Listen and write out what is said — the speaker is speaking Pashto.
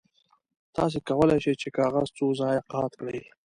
تاسو کولی شئ چې کاغذ څو ځایه قات کړئ.